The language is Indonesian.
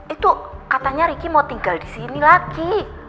itu katanya ricky mau tinggal disini lagi